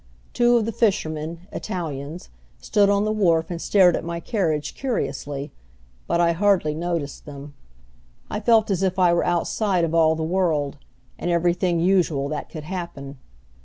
Two of the fishermen, Italians, stood on the wharf and stared at my carriage curiously, but I hardly noticed them. I felt as if I were outside of all the world, and everything usual that could happen.